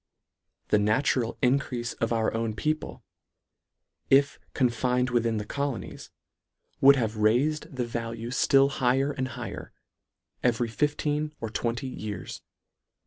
The natural in creafe of our own people, if confined within L 82 LETTER VIII. the colonies, would have railed the value ftill higher and higher, every fifteen or twenty years.